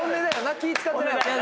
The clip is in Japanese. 気ぃ使ってない。